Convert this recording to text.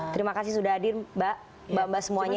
terima kasih sudah hadir mbak mbak mbak semuanya